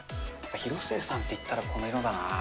広末さんって言ったら、この色だな。